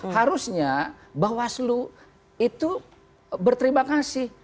harusnya bahwa aslu itu berterima kasih